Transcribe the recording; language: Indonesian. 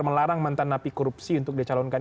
melarang mantan napi korupsi untuk dicalonkan